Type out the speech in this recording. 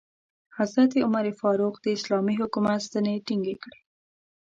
حضرت عمر فاروق د اسلامي حکومت ستنې ټینګې کړې.